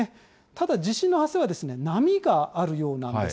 ただ、地震の発生は波があるようなんです。